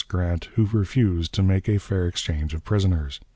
Grant, who refused to make a fair exchange of prisoners."